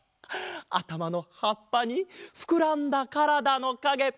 あたまのはっぱにふくらんだからだのかげ。